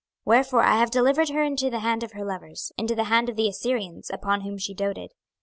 26:023:009 Wherefore I have delivered her into the hand of her lovers, into the hand of the Assyrians, upon whom she doted.